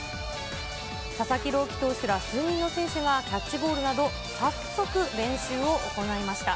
佐々木朗希投手ら数人の選手がキャッチボールなど、早速練習を行いました。